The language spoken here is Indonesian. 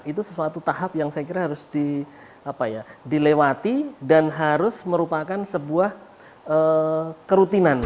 itu sesuatu tahap yang saya kira harus dilewati dan harus merupakan sebuah kerutinan